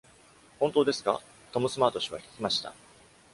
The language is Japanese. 「本当ですか？」トム・スマート氏は聞きました。